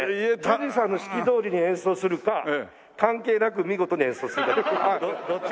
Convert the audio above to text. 純次さんの指揮どおりに演奏するか関係なく見事に演奏するか。